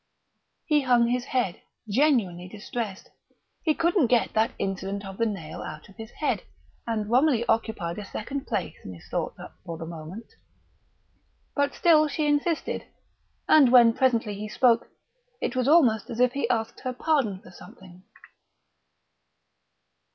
He hung his head, genuinely distressed. He couldn't get that incident of the nail out of his head, and Romilly occupied a second place in his thoughts for the moment. But still she insisted; and when presently he spoke it was almost as if he asked her pardon for something.